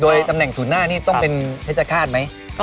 โดยตำแหน่งสูญหน้านี่ต้องเป็นเทศฆาตไหมก็เออ